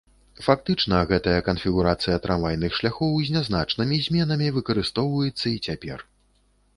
Фактычна гэтая канфігурацыя трамвайных шляхоў з нязначнымі зменамі выкарыстоўваецца і цяпер.